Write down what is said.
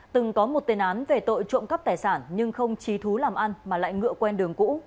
từng có một tên án về tội trộm cắp tài sản nhưng không trí thú làm ăn mà lại ngựa quen đường cũ